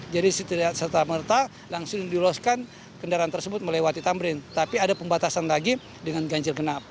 jadi setelah merta langsung diluluskan kendaraan tersebut melewati tamrin tapi ada pembatasan lagi dengan ganjil genap